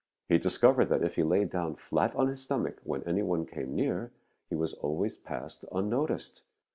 He discovered that if he lay down flat on his stomach when any one came near, he was always passed unnoticed.